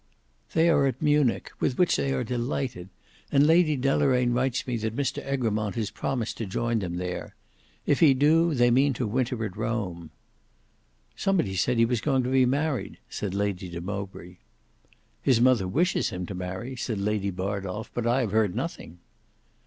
"They are at Munich; with which they are delighted. And Lady Deloraine writes me that Mr Egremont has promised to join them there. If he do, they mean to winter at Rome." "Somebody said he was going to be married," said Lady de Mowbray. "His mother wishes him to marry," said Lady Bardolf; "but I have heard nothing."